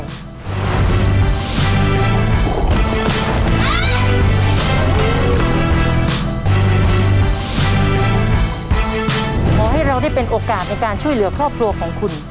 ขอให้เราได้เป็นโอกาสในการช่วยเหลือครอบครัวของคุณ